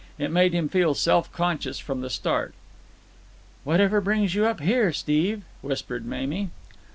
It made him feel self conscious from the start. "Whatever brings you up here, Steve?" whispered Mamie.